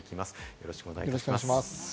よろしくお願いします。